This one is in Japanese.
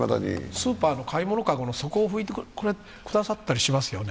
スーパーの買い物カゴの底を拭いてくださったりしますよね。